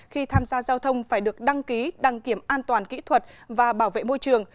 khi tham gia giao thông phải được đăng ký đăng kiểm an toàn kỹ thuật và bảo vệ môi trường